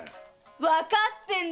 わかってんだよ